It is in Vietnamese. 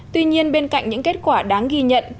tuy nhiên bên cạnh những kết quả đáng ghi nhận